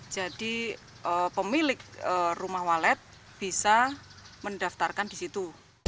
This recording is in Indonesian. pemilik rumah walet bisa mendaftarkan di situ